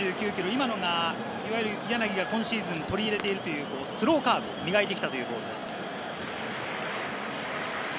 今のがいわゆる柳が今シーズン取り入れているスローカーブ、磨いて来たというボールです。